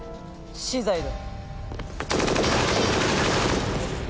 死罪だ！